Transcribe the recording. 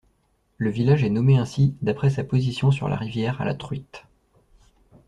Le village est nommé ainsi d'après sa position sur la rivière à la truite.